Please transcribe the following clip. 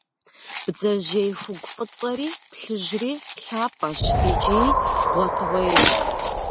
Бдзэжьей хугу фӏыцӏэри плъыжьри лъапӏэщ икӏи гъуэтыгъуейщ.